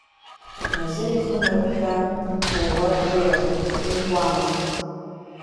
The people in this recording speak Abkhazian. Назыр ихы нарҟәшәа дҭууа дгылан, ҿиҭуамызт.